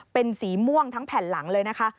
เป็นสีม่วงทั้งแผ่นหลังเลยนะคะ